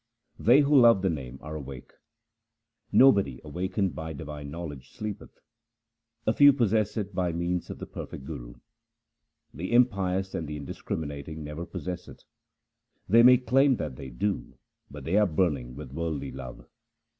They who love the Name are awake. Nobody awakened by divine knowledge sleepeth. A few possess it by means of the perfect Guru. The impious and the indiscriminating never possess it. They may claim that they do, but they are burning with worldly love.